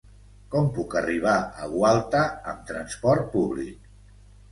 Com puc arribar a Gualta amb trasport públic?